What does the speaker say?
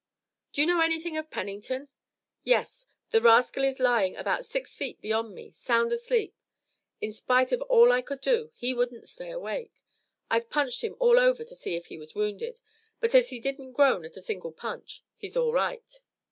"Do you know anything of Pennington?" "Yes. The rascal is lying about six feet beyond me, sound asleep. In spite of all I could do he wouldn't stay awake. I've punched him all over to see if he was wounded, but as he didn't groan at a single punch, he's all right."